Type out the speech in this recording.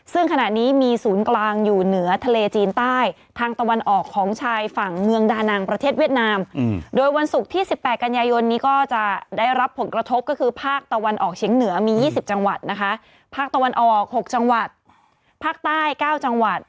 เฉียงเหนือมียี่สิบจังหวัดนะคะภาคตะวันออกหกจังหวัดภาคใต้เก้าจังหวัด